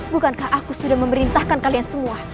bukankah aku sudah memerintahkan kalian semua